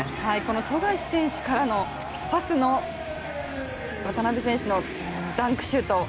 富樫選手からのパス渡邊選手のダンクシュート。